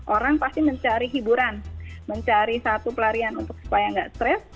orang pasti mencari hiburan mencari satu pelarian untuk supaya nggak stres